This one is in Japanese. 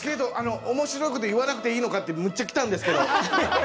おもしろいことを言わなくていいのかってむっちゃきたんですけど。